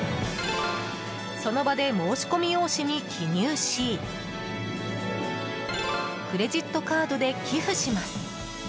その場で申し込み用紙に記入しクレジットカードで寄付します。